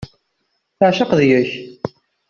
Teεceq deg-k.